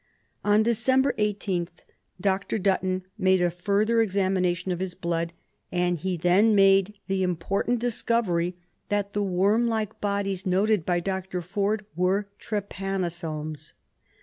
On December 18th Dr. Dutton made a further examination of his blood, and he then made the important discovery that the worm like bodies noted by Dr. Forde were trypanosomes.